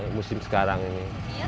iya tuh itu punya tiga